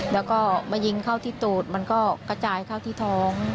แล้วก็มายิงเข้าที่ตูดมันก็กระจายเข้าที่ท้อง